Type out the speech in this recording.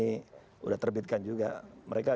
sudah terbitkan juga